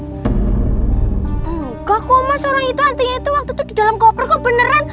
enggak kok mas orang itu artinya itu waktu itu di dalam koper kok beneran